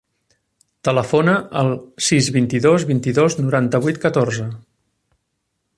Telefona al sis, vint-i-dos, vint-i-dos, noranta-vuit, catorze.